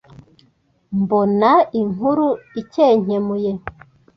Mbona inkuru inkenkemuye